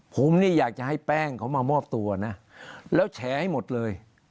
ผมอยากให้แป้งมามอบตัวนะแล้วแฉะให้หมดเลย